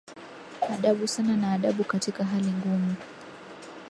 adabu sana na adabu Katika hali ngumu